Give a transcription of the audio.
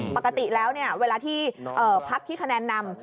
ปกติแล้วเวลาที่พักที่คะแนนนำ